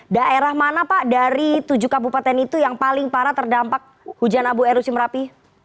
daerah mana pak dari tujuh kabupaten itu yang paling parah terdampak hujan abu erusi merapi